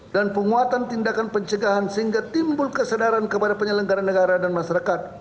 dan penguatan tindakan pencegahan sehingga timbul kesadaran kepada penyelenggara negara dan masyarakat